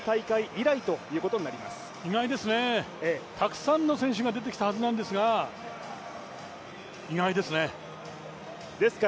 意外ですね、たくさんの選手が出てきたはずなんですが意外ですね。